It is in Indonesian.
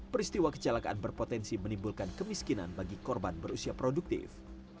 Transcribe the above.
peristiwa kecelakaan berpotensi menimbulkan kemiskinan bagi korban berusia produktif